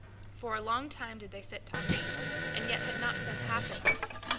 For a long time did they sit talking, and yet had not said half enough.